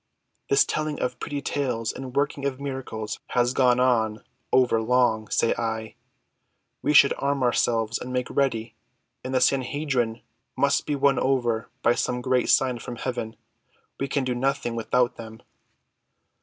"This telling of pretty tales and working of miracles has gone on over long, say I. We should arm ourselves and make ready, and the Sanhedrim must be won over by some great sign from heaven. We can do nothing without them."